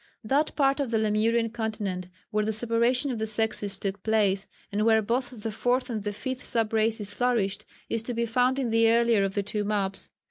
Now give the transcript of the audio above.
That part of the Lemurian continent where the separation of the sexes took place, and where both the fourth and the fifth sub races flourished, is to be found in the earlier of the two maps.